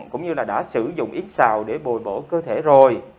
cũng như là đã sử dụng ít xào để bồi bổ cơ thể rồi